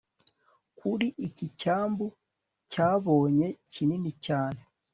kuri iki cyambu cyabonye kinini cyane